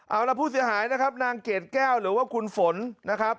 เอาล่ะผู้เสียหายนะครับนางเกดแก้วหรือว่าคุณฝนนะครับ